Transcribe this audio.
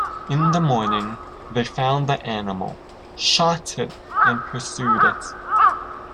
In the morning, they found the animal, shot it and pursued it.